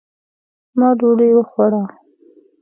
ما ډوډۍ وخوړه